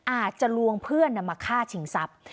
อาจจะลวงเพื่อนมาฆ่าชิงทรัพย์